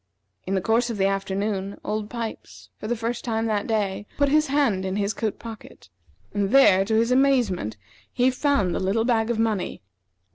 In the course of the afternoon, Old Pipes, for the first time that day, put his hand in his coat pocket, and there, to his amazement, he found the little bag of money.